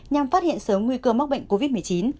nhằm phát hiện sớm nguy cơ mắc bệnh covid một mươi chín